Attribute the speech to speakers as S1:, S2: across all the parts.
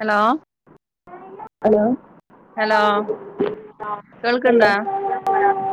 S1: Hello
S2: hello
S1: hello കേൾക്കണ്ടാ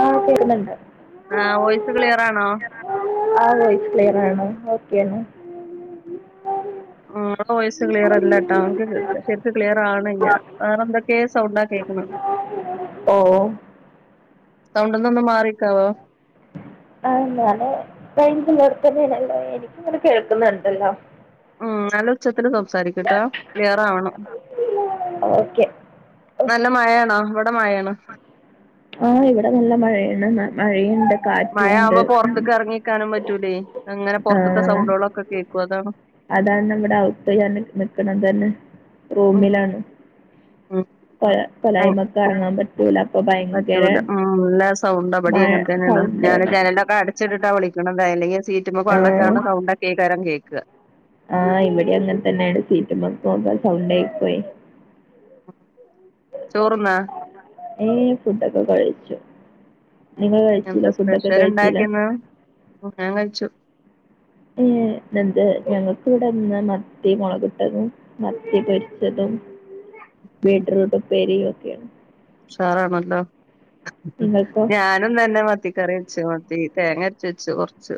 S2: ആ കേക്കുന്നുണ്ട്.
S1: ആ വോയിസ് ക്ലിയറാണോ
S2: ആ ക്ലിയർ ആണ് ഓക്കെ ണ്
S1: ആ വോയിസ് ക്ലിയർ അല്ലട്ടാ. ശരിക്ക്ക് ക്ലിയർ ആണ്ല്ല വേറെ എന്തൊക്കെയ സൗണ്ടാ കേക്ണ
S2: ഓ
S1: തൗണ്ട്ന്ന ന്ന് മാറി
S2: ആ എന്നാലെ റെയ് ല്ലോ എനിക്ക് ഇങ്ങനെ കേക്കുന്നുണ്ടല്ലോ.
S1: ഉം നല്ലച്ചത്തിൽ സം സംസാരിക്കട്ട ക്ലിയർ ആവണം
S2: ഓക്കെ
S1: നല്ല മഴയണോ ഇവി
S2: ആ ഇവിടെ നല്ല മഴയാണ് മഴയുണ്ട്.
S1: മഴ
S2: കാറ്റുണ്ട്
S1: ആവുമ്പോൾ
S2: ഉം.
S1: പുറത്തേക്ക് ഇറങ്ങിക്കാനും പറ്റൂലേ അങ്ങനെ
S2: ആ
S1: പുറത്തത്തെ സൗണ്ടുകളൊക്കെ കേൾക്കു
S2: അതാണ് നമ്മടെ ഔത്താണ് നിക്കണ തന്നെ
S1: ഉം
S2: റൂമിലാണ്.
S1: ഉം
S2: പ
S1: അങ്ങ്
S2: കോലായ്മക്ക്റങ്ങാൻ പറ്റൂല. അപ്പൊ ഭയങ്കര
S1: പറ്റൂല ഉം നല്ല സൗണ്ട് അവടയു
S2: മഴ
S1: അങ്ങിനെ തന്നെയാണ് ഞാൻ
S2: സൗണ്ടാണ്
S1: ജനലൊക്കെ അടച്ചിട്ടിട്ടാ വിളിക്കണത്. അലെങ്ക സീറ്റുമ വള്ളചടുന്ന സൗണ്ട കേക്കാരം കേക്ക
S2: ആ ഇവിടെ അങ്ങനെ തന്നെയാണ് സീറ്റ് മക്കക് സൗണ്ട് ആയി പോയി
S1: ചോറുന്നാ
S2: ഏ ഫുഡൊക്കെ കഴിച്ചു. നിങ്ങള്
S1: എന്താ
S2: കഴിച്ചല ഫുഡ് ഒക്കെ
S1: സ്പെഷ്യൽ
S2: കഴിച്ചല
S1: ഉണ്ടാക്കിന്ന് ഞാൻ കഴിച്ചു
S2: ഏ എന്ത് ഞങ്ങക്കിവിടെന്ന് മത്തി മുളകിട്ടതും, മത്തി പൊരിച്ചതും. ബീട്ട്റുട്ടുംപെരിയും ഒക്കെയാണ്.
S1: സാറാണല്ലോ
S2: നിങ്ങൾക്കോ
S1: ഞാനും തന്നെ മത്തിക്കറി വച്ച് തേങ്ങ അരച്ച വെച്ച് കൊറച്ച്.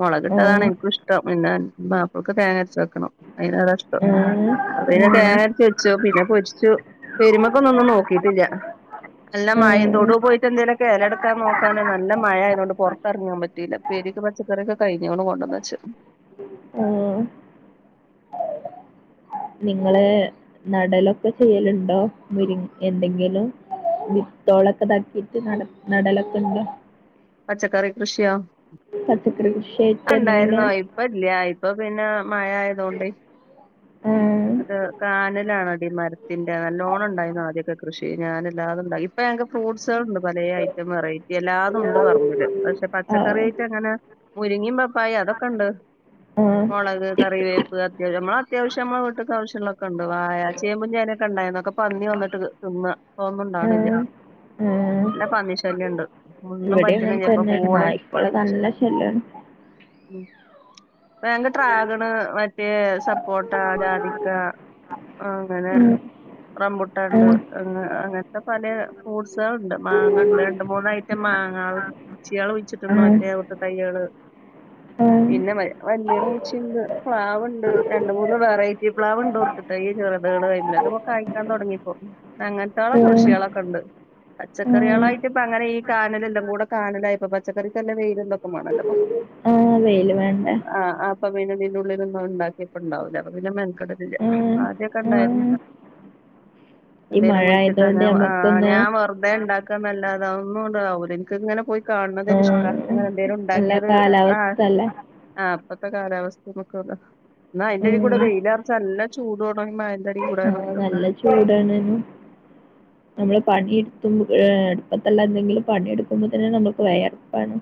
S1: മുളകിട്ടതാണ്
S2: ആഹ്
S1: എനിക്കു ഇഷ്ടം പിന്നെ വാപ്പ അവർക്ക് തേങ്ങ അരച്ച വെക്കണം അതിനോടാഷ്ടം.
S2: ആഹ്
S1: അത് പിന്നെട്ട
S2: ആഹ്
S1: തേങ്ങരച്ച വെച്ചു. പിന്നെ പൊരിച്ചു. പെരുമക്ക ഒന്നും ഒന്നും നോക്കിട്ടില്ല. നല്ല
S2: ആഹ്
S1: മഴം തൊടുവു പോയിട്ട് എന്തെലൊക്കെ എലെടുക്കാൻ നോക്കാനോ നല്ല മഴാതുകൊണ്ട് പൊറത്തെറങ്ങിയാൻ പറ്റില്ല. പേര് പച്ചക്കറി ഒക്കെ കഴിഞ്ഞോണ് കൊണ്ടന്നച്ചു.
S2: ഉം നിങ്ങള് നടലൊക്കെ ചെയ്യലുണ്ടോ. മുരിങ്ങക്കന്തെങ്കിലും. വിത്തോളൊക്കെ താക്കിട്ട് നട നടലൊക്കെണ്ടോ.
S1: പച്ചക്കറി കൃഷിയാ?
S2: പച്ചക്കറി കൃഷിയായിട്ട് എന്തെങ്കിലും
S1: ക്കണ്ടായിരുന്നു. ഇപ്പ ഇല്ല്യ. ഇപ്പപ്പിന്നെ മഴായതോണ്ട്.
S2: ആഹ്
S1: അത് കാനലാണോ? മരത്തിന്റെ നല്ലോണം ഉണ്ടായിരുന്നു. ആദ്യക്കെ കൃഷി ഞാനല്ലാതെ ഇപ്പൊ ഫ്രൂട്ട്സള് ഉണ്ട് പലേ ഐറ്റം വെറൈറ്റി എല്ലാതുണ്ട് പറമ്പില് പക്ഷെ പച്ചക്കറി
S2: ആഹ്
S1: ഐറ്റങ്ങനെ മുരുങ്ങേം, പപ്പായു അതൊക്കെണ്ട്.
S2: ആഹ്
S1: മൊളക്, കറിവേപ്പ് അത്യാവശ്യം നമ്മള അത്യാവശ്യ വശ്യങ്ങളൊക്കെ ണ്ട്. വായാ, ചേമ്പും ചേനേക്കെണ്ടാന്നു. ക്കെ പന്നി വന്നിട്ട് തിന്ന തോന്നുണ്ടാണ് ല്ല
S2: ആഹ്
S1: ന്ന പന്നിശല്യണ്ട്.
S2: ഇവിടെങ്ങൻതന്നെയണ് നായിപ്പോള നല്ല ശല്യാണ്.
S1: ഉം ഭേങ്ക, ട്രാഗണ്, മറ്റേ സപ്പോർട്ട, ജാതി, ക്ക ങ്ങനെ
S2: ഉം
S1: റമ്പുട്ടണ്ട്.
S2: ഉം
S1: ങ്ങ ഇ പലേ ഫ്രൂട്സളുണ്ട്. മാങ്ങ ണ്ട്. രണ്ട്, മൂന്ന് ഐറ്റം മാങ്ങകൾ ച്ചിയാള് ഒഴിച്ചിട്ടുണ്ട്
S2: ഉം
S1: മറ്റേ ഒട്ട് തൈകള്.
S2: ഉം
S1: പിന്നെ വ വല്യമൂച്ചിയുണ്ട്, പ്ലാവുണ്ട്, രണ്ട് മൂന്ന് വെറൈറ്റി ഇ പ്ലാവ് ണ്ട് ഒട്ട്ത്തൈ ചെറുതുകള് കൈ്മിലൊക്കെപ്പൊ കയിക്കാൻ തുടങ്ങിപ്പോ അങ്ങനത്തള്ള
S2: ഉം
S1: കൃഷികളൊക്കെ ഉണ്ട്.
S2: ഉം
S1: പച്ചക്കറികളായിട്ട് ഇപ്പ അങ്ങനെ ഈ കാനലെല്ലാം കൂടെ കാനലായിപ്പ പച്ചക്കറിക്കല്ല വെയ്ല് [unintelligible] ആ
S2: ആഹ് വെയില് വേണ്ടേ
S1: [unintelligible] ള്ളിലൊന്നും ഉണ്ടാക്ക്യാപ്പണ്ടാവില്ല [unintelligible]
S2: ഉം ഉം
S1: ആദ്യക്കെണ്ടായിരുന്നു
S2: ഈ
S1: എന്തേലും
S2: മഴ
S1: കുയിച്ചിട്ട ഞ
S2: ആയതോണ്ട്
S1: ആ
S2: ഞമ്മക്കൊന്ന്
S1: ഞാൻ വെറുതെണ്ടാക്കന്നല്ലാത അന്നും ഉണ്ടാവൂല്ല എക്ക്ങ്ങനെ പോയി കാണുന്നതന്നിഷ്ട
S2: ആഹ്
S1: അങ്ങനെ
S2: നല്ല
S1: എന്തേലുണ്ടാക്കിയത് ആ
S2: കാലാവസ്ഥ അല്ലേ
S1: ആ ഇനത്തെ കാലാവസ്ഥയൊക്കൂല എന്നായ്ന്റെയ് കൂടെ വെയിലാർച്ച നല്ല ചൂട
S2: ആ നല്ല ചൂടണേനു നമ്മള് പണി മ്പ ഏ ടുപ്പത്തുള്ള എന്തെങ്കിലും പണിയെടുക്കുമ്പോ തന്നെ നമ്മ [unintelligible]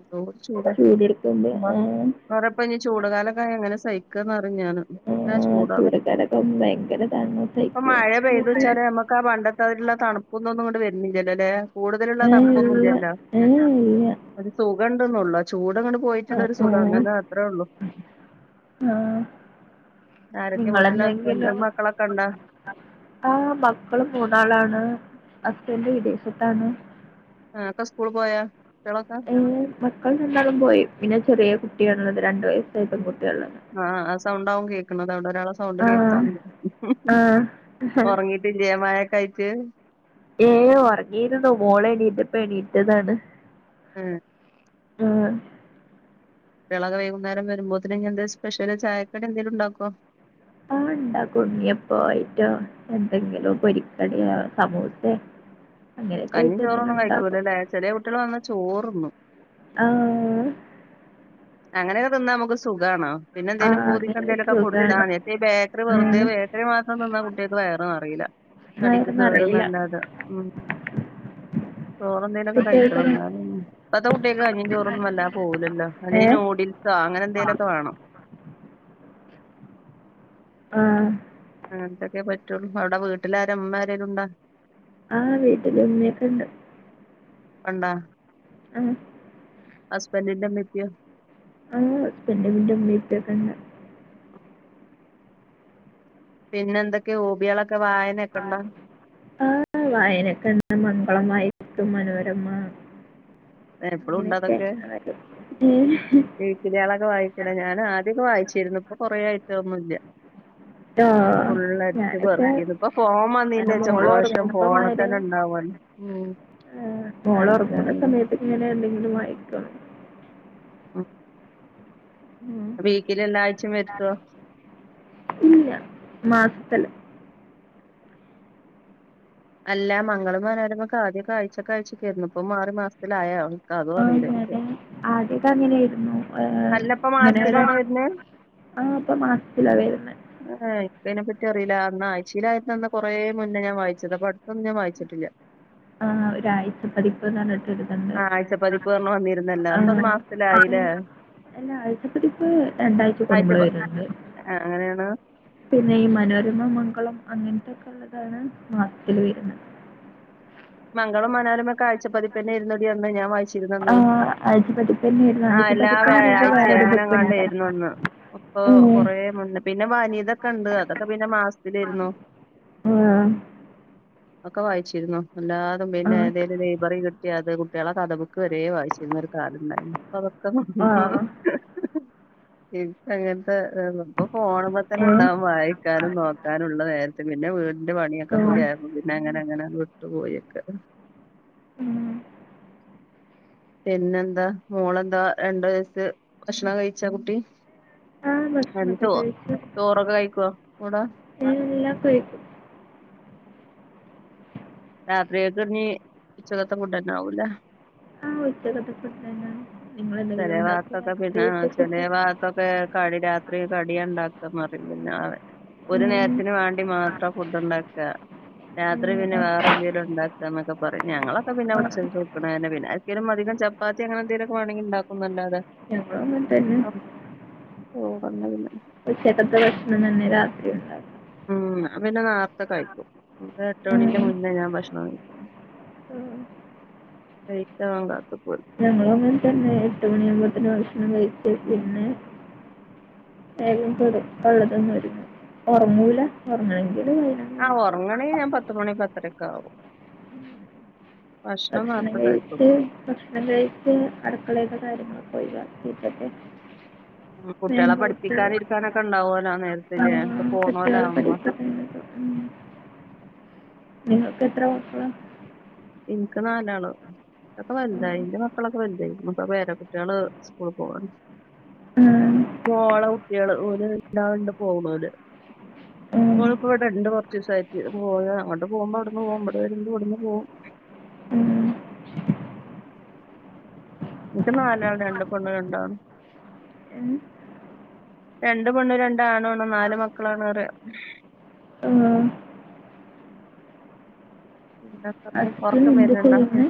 S1: ന്തോചൂട
S2: ആഹ്
S1: വറെപ്പ ഇ ചൂട് കാലൊക്കെ അങ്ങനെ സഹിക്ക്ന്ന് ന്നാണ്.
S2: ആഹ്
S1: ന്നാചൂടാണ്.
S2: ചൂടക്കാലൊക്കെ ഭയങ്കര ഇതാണ്
S1: പ്പ
S2: സഹിക്ക
S1: മഴ പെയ്തൂച്ചാല നമ്മക്ക് [inaudible] [unintelligible] തണുപ്പൊന്നുന്നുങ്ങട് വെരുന്നില്ലല്ലോ അല്ലെ കൂടുതലുള്ള
S2: ഏഹ് ഇല്ല
S1: തണുപ്പൊന്നുംല്ലല്ലോ
S2: ഏഹ് ഇല്ല
S1: [unintelligible] ടങ്ങട്
S2: ആഹ്
S1: പോയിട്ടുള്ളരു സുഖം
S2: ആഹ്
S1: ങ്ങനെ അത്രേ ഉള്ളു
S2: ആഹ്
S1: ആരൊക്കെ വീട്ടില് ഹസ്ബൻഡും മക്കളൊക്കെണ്ടോ
S2: ആ മക്കള് മൂന്നാളാണ് അസ്ബന്റ് വിദേശത്താണ്
S1: ആക്ക സ്കൂൾ പോയാ കുട്ടികളൊക്കെ
S2: ഏ മക്കൾ രണ്ടാളും പോയി പിന്നെ ചെറിയ കുട്ടിയാണള്ളത് രണ്ടു വയസ്സായിട്ട്
S1: ആ ആ സൗണ്ടാവും കേക്കണന്നത് അവിടെ ഒരാളെ സൗണ്ട് കേക്കാ
S2: ആഹ് ആഹ്
S1: ഒറങ്ങീട്ട് ജേമായൊക്കയിട്ട്
S2: ഏ ഉറങ്ങിനുന്നു മോളെണീറ്റപ്പ ണീറ്റതാണ്
S1: ആ
S2: ആ
S1: വിളക വൈകുന്നേരം വരുമ്പോത്തന് ഇനി എന്തേലും സ്പെഷ്യല് ചായക്കടി എന്തെലും ഉണ്ടാക്കോ
S2: ണ്ടാക്കുണ്ണിയപ്പോയിട്ടോ എന്തെങ്കിലും പൊരിക്കടിയ സമൂസേ അങ്ങനെയൊക്കെ
S1: കഞ്ഞിം
S2: ആയിട്ട് എന്തെങ്കിലും
S1: ചോറൊന്നും
S2: ഉണ്ടാക്കും.
S1: കഴിക്കൂലല്ലേ ചെറിയ കുട്ട്യള് വന്ന ചോറ്ണ്ണു
S2: ആ
S1: അങ്ങനെക്കെ തിന്നാ നമുക്ക് സുഖാണോ പിന്നെ എന്തേലും
S2: ആഹ്
S1: പോതിക്ക്
S2: അങ്ങനെ
S1: എന്തേലുമൊക്കെ
S2: സുഖാണ്.
S1: കൊടുത്താതി. ഈ ബേക്കറി വെറുതേ
S2: ആഹ്
S1: ബേക്കറി മാത്രം തിന്നാ കുട്ട്യൾക്ക് വയറ് നിറയൂല്ല തടിക്ക്
S2: എന്നായിരുന്നു അറിയില്ല.
S1: കേട്ന്നല്ലാതെ ഉം ചോറ് എന്തേലൊക്കെ
S2: ഫുഡ്
S1: കഴിക്കണം
S2: കഴിക്കണോ?
S1: എന്ന ഇപ്പത്തെ കുട്ടികൊക്കെ കഞ്ഞി ചോറൊന്നും അല്ല പോകൂല്ലോ വല്ല
S2: ഏഹ്
S1: ന്യൂഡിൽസ് അങ്ങനെ എന്തേലുക്കെ വേണം
S2: ആ
S1: അങ്ങനന്തൊക്കെ പറ്റുള്ളൂ അവിടെ വീട്ടിലാര ഉമ്മ ആരേലുണ്ടാേ
S2: ആ വീട്ടില ഉമ്മയൊക്കെ ഇണ്ട്
S1: ഒണ്ടാ
S2: ആ
S1: ഹസ്ബൻഡന്റെ അമ്മ എത്തിയോ.
S2: ആ ഹസ്ബൻഡന്റെ ഉമ്മയും ഉപ്പയും ഒക്കെയുണ്ട്
S1: പിന്നെ എന്തൊക്കെയ ഓബികള
S2: ആ വായനക്കെണ് പുസ്തകം വായിക്കും മനോരമ
S1: എപ്പളും ഒണ്ടോ
S2: അങ്ങനെയൊക്കെ
S1: അതൊക്കെ ഈ വിക്കിലികളൊക്കെ വായിക്കുടെ ഞാൻ ആദ്യയെക്കെ വായിച്ചിരുന്നു ഇപ്പൊ കൊറെ ആയിട്ട് ഒന്നും ഇല്ല്യാ
S2: ട്ടോ
S1: ഫുള്ള് അരിച്ച്
S2: ഞാനൊക്കെ
S1: പെറുക്കിയ്ത് ഇപ്പ ഫോൺ
S2: അങ്ങനെ
S1: വന്നീന്റെ ശേഷം
S2: മോളൊറങ്ങുമ്പോ
S1: ഫോണ് തന്നെ ഉണ്ടാവന്ന് ഉം
S2: മോള് ഉറങ്ങുന്ന
S1: വായിക്കാനും
S2: സമയത്ത് ഇങ്ങനെ എന്തെങ്കിലും വായിക്കുവ
S1: ഉം വീക്കിലി എല്ലാഴ്ചയും വരുത്തുവോ
S2: മാസത്തില്ല്
S1: അല്ല മംഗളം മനോരമൊക്കെ ആദ്യം ആഴ്ചക്കാഴ്ചക്കാരുന്നു ഇപ്പോ മാറി മാസത്തിലായോ അതും
S2: ആ
S1: അറിയില്ല എനിക്ക്
S2: അതെ ആദ്യത്തെ അങ്ങനെയായിരുന്നു ആം
S1: അല്ല ഇപ്പൊ മാസത്തിലാണോ വരുന്നത്
S2: [unintelligible] ആ ഇപ്പൊ മാസത്തിലാ വരുന്നേ
S1: എനിക്കതിനെ പറ്റി അറിയില്ല അന്ന് ആഴ്ച്ചയിലാരുന്ന അന്ന് കെറേ മുന്നേ ഞാൻ വായിച്ചത് അപ്പൊ അടുത്തൊന്നും ഞാൻ വായിച്ചിട്ടില്ല
S2: ആ ഒരാഴ്ച പതിപ്പ് എന്ന് പറഞ്ഞിട്ട് തണ്ട്
S1: ആ ആഴ്ചപ്പതിപ്പ് പറഞ്ഞ് വന്നിരുന്നല്ലോ
S2: ആ
S1: അപ്പൊ അത്
S2: അതെ
S1: മാസത്തിലായില്ലേ
S2: എല്ല ആഴ്ചപ്പതിപ്പ് രണ്ടാഴ്ച
S1: ആഴ്ച
S2: കൂടുമ്പളെ
S1: പ-
S2: വരുയുള്ളു
S1: ആ, അങ്ങനെയാണ്
S2: പിന്നെയി മനോരമ മംഗളം അങ്ങനത്തെക്കെള്ളതാണ് മാസത്തിൽ വരുന്നത്
S1: മംഗളം മനോരമയൊക്കെ ആഴ്ച പതിപ്പന്നെയായിരുന്നു ഡീ അമ്മേ ഞാൻ വായി ച്ചിരുന്നന്ന്
S2: ആഹ് ആഴ്ചപ്പതിപ്പന്നെയിരുന്നു
S1: ആ
S2: ആഴ്ചപ്പതിപ്പ്ന്ന് പറഞ്ഞിട്ട്
S1: എല്ലാവ്യാഴഴ്ചയും
S2: വേറൊരു ബുക്ക്ണ്ട്.
S1: എങ്ങനെങ്ങാണ്ടേയിരുന്നു എന്ന് ഇപ്പൊ
S2: ഏഹ്
S1: കൊറെ മുന്ന് പിന്നെ വനിതക്കെണ്ട് അതൊക്കെ പിന്നെ മാസത്തിലേരുന്നു
S2: ഉം
S1: ഒക്കെ വായിച്ചിരുന്നു എല്ലാതും പിന്നെ
S2: ആഹ്
S1: എന്തേലും ലൈബറി കിട്ടിയ അത് കു കുട്ടികള് കഥ ബുക്ക് വരെ വായിച്ചിരുന്നൊരു കാലം ഉണ്ടായിരുന്നു പ്പ അതൊക്കെ നിന്ന് ഇപ്പ് എങ്ങനെ ഇപ്പൊ ഫോണ് മ്മെ തന്നെ
S2: ഏഹ്
S1: ഉണ്ടാവും വായിക്കാനും നോക്കാനുള്ള നേരത്തിന് പിന്നെ വീ ന്റെ പണിയൊക്കെ
S2: ആഹ്
S1: കൂടി ആരുന്നു പിന്നെ അങ്ങനെനങ്ങനെ വിട്ടു പോയൊക്കെ
S2: ഉം
S1: പിന്നെന്താ മോളെന്താ രണ്ടു വയസ് ഭക്ഷണം കഴിച്ചാ കുട്ടി
S2: ആഹ് ഭക്ഷണൊക്കെ
S1: മിണ്ടുവോ
S2: കഴിച്ചു
S1: ചോറൊക്കെ കഴിക്കുവോ കൂടെ
S2: ഞാൻ എല്ലാം കഴിക്കും.
S1: രാത്രിയൊക്കെ കഞ്ഞീ ഉച്ചക്കത്തെ ഫുഡന്നാവൂലെ
S2: ആ ഉച്ചക്കത്തെ ഫുഡ് തന്നെയാണ് നിങ്ങളെന്തെങ്കിലും
S1: ചെറിയ
S2: ഉണ്ടാക്കോ
S1: ഭാഗത്തൊക്കെ പിന്നെ
S2: രാത്രികത്തെ
S1: ചെറിയ
S2: ഫുഡ്?
S1: ഭാഗത്തൊക്കെ കടി രാത്രി കടി ഒണ്ടാക്കാന്നത് പിന്നെന്നാവെ ഒരു
S2: ഉം
S1: നേരത്തിന് വേണ്ടി മാത്രം ഫുഡ് ഉണ്ടാക്ക രാത്രി
S2: ഉം
S1: പിന്നെ
S2: ഉം
S1: വേറെ എന്തെങ്കിലും ഒണ്ടാക്കാ എന്നക്കെ പറയും ഞങ്ങളൊക്കെ പിന്നെ
S2: ആഹ്
S1: ഉച്ചക്ക് വെയ്ക്കണ തന്നെ പിന്നെ ആർക്കേലുംമധികം ചപ്പാത്തി അങ്ങനെന്തെലുക്കെ വേണെങ്കി ഒണ്ടാക്കുന്നല്ലാതെ
S2: ഞങ്ങളും അങ്ങനെ തന്നെ
S1: ഓ വന്നത് തന്നെ
S2: ഉച്ചക്കത്തെ ഭക്ഷണം തന്നെ രാത്രിയൊ ണ്ടാവും
S1: ഉം ഞാ പിന്നെ നാളെത്തെ കഴിക്കും എട്ട് മണിന്റെ
S2: ഉം.
S1: മുന്നേ ഞാൻ ഭക്ഷ ണായി
S2: ഉം.
S1: പെയ്ത്തോ ങ്ങടെത്തും
S2: ഞങ്ങളങ്ങനെ തന്നെ എട്ട് മണിയവുമ്പത്തേന് ഭക്ഷണം കഴിച്ച് പിന്നെ വേഗം കെടക്കാനുള്ളതിനൊരുങ്ങും ഉറങ്ങൂല ഉറങ്ങണെ
S1: ആ ഒറങ്ങണെങ്കി ഞാൻ പത്ത്മണി പത്തരെക്കാവും
S2: ഭക്ഷണം കഴിച്ച് ഭക്ഷണം കഴിച്ച് അടുക്കളയൊക്കെ കാര്യങ്ങളൊക്കെ ഒഴുവാക്കീട്ടൊക്കെ
S1: മ്കുട്ടികളെപഠിപ്പിക്കാനിരിക്കാനൊക്കെണ്ടാവലോ ആ നേരത്തില് ഒക്കെ
S2: കുട്ടികളെ
S1: പോണോലാവ് മ്പോ
S2: പഠിപ്പിക്കുന്നത് നിങ്ങക്ക് എത്ര മക്കളാ
S1: എനിക്ക് നാലാള് ന്റോക്കെ വലുതായി
S2: ഉം.
S1: എന്റെ മക്കളൊക്കെ വലുതായി മ്മക്ക പേര കുട്ടിയള് സ്കൂൾ പോവാൻ
S2: ഉം
S1: കുട്ടിയള് ഓല് പോണോല് [unintelligible]
S2: ഉം.
S1: ഓലിപ്പോ ഇവിടുണ്ട് കൊറച്ചിസായിട്ട് പോ അങ്ങോട്ട് പോകുമ്പോ അവിട്ന്ന് പോവും ഇവിടെ വരുമ്പോ ഇവിടുന്ന് പോവും
S2: ഉം.
S1: എനിക്ക് നാലാള് രണ്ട് പെണ്ണും രണ്ടാണും
S2: ഉം.
S1: രണ്ട് പെണ്ണും രണ്ടാണും നാലു മക്കളാണ് റയ
S2: ഉം. അച്ഛൻ
S1: ഒറക്കം
S2: എന്ത്
S1: വരണുണ്ടാ
S2: ചെയ്യുന്നു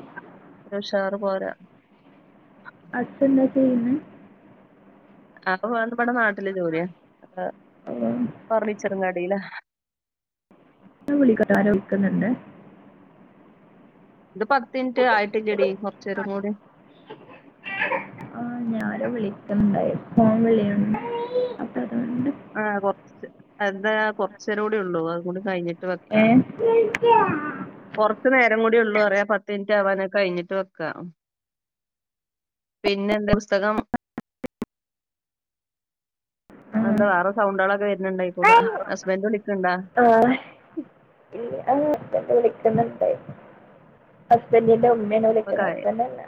S1: ഒരുഷാറ് പോരാ [unintelligible]
S2: അച്ഛെന്താ ചെയ്യുന്നെ
S1: ആ വേണ്ടപ്പെട്ട നാട്ടിലെ ജോലിയാ ഫർണിച്ചറ് കടേലാ
S2: വിളിക്കോട്ട ആരോ വിക്കുന്നുണ്ട്
S1: ഇത് പത്ത് മിനിറ്റ് ആയിട്ടില്ലെടി കുറച്ചര കൂടെ
S2: വിളിക്കണ്ടായി പോൻ വിളിയ
S1: ആ കുറച്ച് എന്താ കുറച്ചര കടി ഉള്ളൂ അത കൂടി കഴിഞ്ഞിട്ട്
S2: ഏ
S1: കൊറച്ചു നേരം കൂടി ഉള്ളൂ അറിയ പത്ത് മിനിറ്റ് ആവാാനെ കഴിഞ്ഞിട്ട് വെക്കാം പിന്നെ എന്താ പുസ്തകം
S2: ആ
S1: എന്താ വേറെ സൗണ്ട ആളൊക്കെ വരുന്നുണ്ടായി കൂട ഹസ്ബൻഡ വിളിക്കണ്ടാ
S2: ആ ഹബൻ വിളിക്കുന്നുണ്ട് ഹസ്ബൻഡിന്റെ ഉമ്മ വിളിക്കുന്ന
S1: ഒക്കെ
S2: ഹസ്ബൻഡന്ന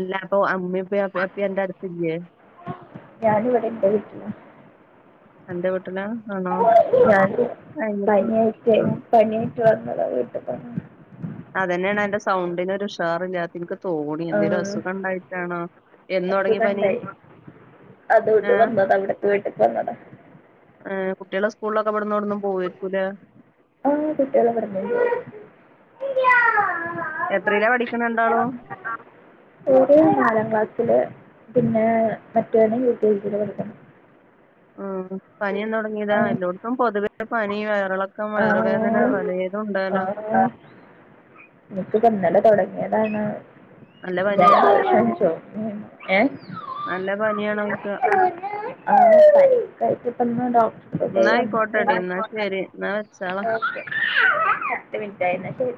S1: എല്ല അപ്പൊ അമ്മിപ്പ അപ്പ എന്റെ അടുത്ത്ല്ലേ
S2: ഞാന ഇവിടെ എന്റെ വീട്ടിലാ
S1: അറ്റന്റ്
S2: ഞാൻ
S1: കഴിഞ്ഞിട്ട്
S2: പനിയായിട്ട
S1: ആ
S2: പനിയായിറ്റ് വന്നതാ വീട്ടിൽ തന്ന
S1: അതന്നെയാണ് എന്റെ സൗണ്ടിിന ഉഷാറല്ലാത്ത എനിക്ക് തോണി എന്തേിലും അസുഖം ഉണ്ടായിട്ടാണോ എന്ന തുടങ്ങി പനി
S2: അത
S1: ഏ
S2: ഇണ്ട് വന്നത അവിടത്തെ വീട്ടിക്ക് വന്നതാ
S1: ഏ, കുട്ടികളെ സ്കൂളിലൊക്കെ ഇവിടന്ന് ഇവിടന്നും പോവരിക്കൂല്
S2: ആ കുട്ടികളെ പറഞ്ഞു ര
S1: പഠിക്കണ രണ്ടാളും
S2: ധാരവാ [unintelligible] പിന്നെ മറ്റോനെ യുകെജി പഠിക്കണം
S1: ഉം പനിയന്ന് തുടങ്ങിയതാ എല്ലായിടത്തും പൊതുവെ പനി വയറുള്ള അക്കം വേറെ വേദന വലഏതും ഉണ്ടാലോ
S2: എനിക്ക് ഇന്നലെ തുൊടങ്ങിയതാണ്
S1: നല്ല പനിയാ
S2: ഏ
S1: നല്ല പനിയാണോയ്ക്ക
S2: ആായിട്ട ഇപ്പന്ന് ഡോക്ടർ പോയി
S1: എന്നാ
S2: വന്നിട്ട്
S1: ആയിക്കോട്ടെടി എന്നാ ശരി എന്നാ വെച്ചാ
S2: ഓക്കെ പത്ത് മിനിറ്റ് ആയി